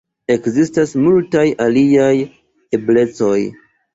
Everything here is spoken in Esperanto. Ekzistas multaj aliaj eblecoj.